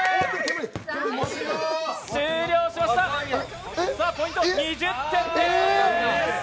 終了しました、ポイントは２０点です